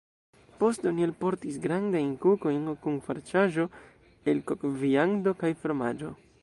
Poste oni alportis grandajn kukojn kun farĉaĵo el kokviando kaj fromaĝo.